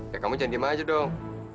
ya kamu cantikin aja dong